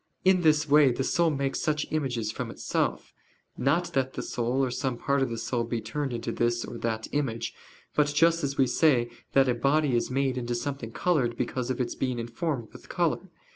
In this way the soul makes such images from itself; not that the soul or some part of the soul be turned into this or that image; but just as we say that a body is made into something colored because of its being informed with color.